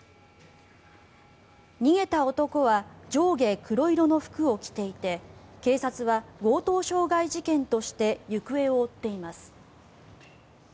逃げた男は上下黒色の服を着ていて警察は強盗傷害事件として行方を追っています。